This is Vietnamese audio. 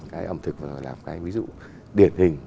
cái ẩm thực là cái ví dụ điển hình